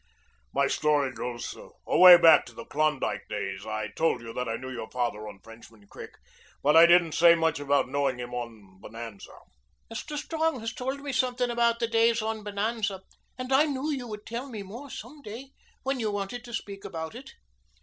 "My story goes away back to the Klondike days. I told you that I knew your father on Frenchman Creek, but I didn't say much about knowing him on Bonanza." "Mr. Strong has told me something about the days on Bonanza, and I knew you would tell me more some day when you wanted to speak about it."